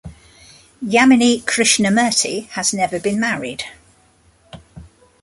Yamini Krishnamurthy has never been married.